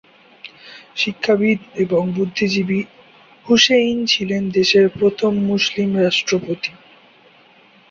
শিক্ষাবিদ এবং বুদ্ধিজীবী হুসেইন ছিলেন দেশের প্রথম মুসলিম রাষ্ট্রপতি।